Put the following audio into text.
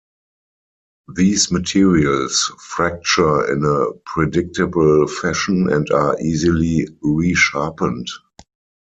These materials fracture in a predictable fashion, and are easily resharpened.